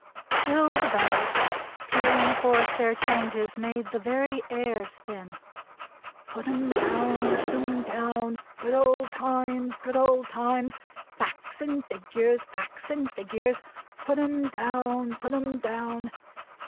Still the Bells, pealing forth their changes, made the very air spin. Put 'em down. Put 'em down! Good old Times, Good old Times! Facts and Figures, Facts and Figures! Put 'em down, Put 'em down!